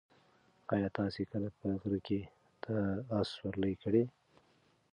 ایا تاسي کله په غره کې د اس سورلۍ کړې؟